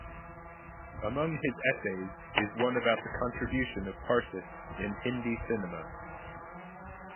Among his essays is one about the contribution of Parsis in Hindi cinema.